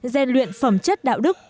gieo luyện phẩm chất đạo đức